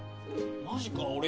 マジか俺。